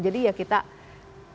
jadi ya kita lanjut